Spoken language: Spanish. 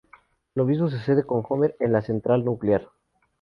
Lo mismo sucede con Homer en la central nuclear.